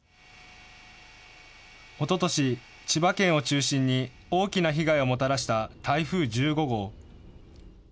おととし、千葉県を中心に大きな被害をもたらした台風１５号。